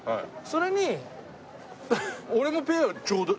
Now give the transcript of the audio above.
それに。